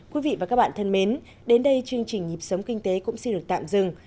quý vị và các bạn thân mến đến đây chương trình nhịp sống kinh tế cũng xin được tạm dừng